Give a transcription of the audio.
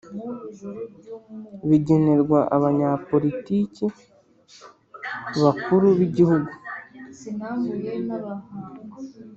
bigenerwa abanyapolitiki bakuru b igihugu